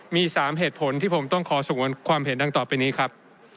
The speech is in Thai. มี๓เหตุผลที่ผมต้องขอสงวนความเห็นดังต่อไปนี้ครับ